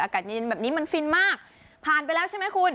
อากาศเย็นแบบนี้มันฟินมากผ่านไปแล้วใช่ไหมคุณ